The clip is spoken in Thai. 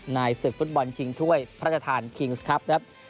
ศึกฟุตบอลชิงถ้วยพระราชทานคิงส์ครับครับ